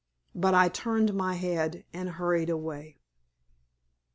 But I turned my head and hurried away.